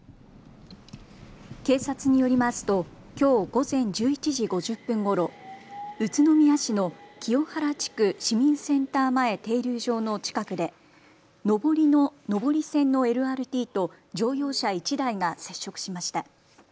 警察によりますときょう午前１１時５０分ごろ、宇都宮市の清原地区市民センター前停留場の近くで上り線のＬＲＴと乗用車１台が接触しました。